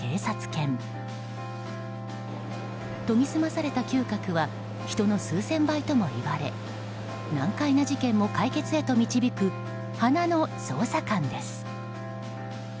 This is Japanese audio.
研ぎ澄まされた嗅覚は人の数千倍ともいわれ難解な事件も解決へと導く鼻の捜査官です。